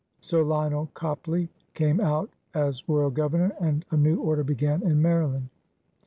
Sir Lionel Copley came out as Royal Governor, and a new order b^an in Maryland.